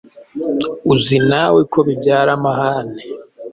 uzi nawe ko bibyara amahane.